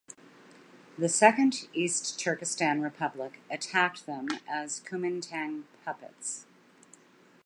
The Second East Turkestan Republic attacked them as Kuomintang "puppets".